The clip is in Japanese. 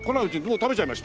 食べちゃいました。